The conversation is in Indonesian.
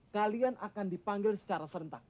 kalian akan dipanggil secara serentak